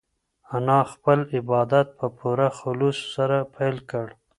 انا خپل عبادت په پوره خلوص سره پیل کړ.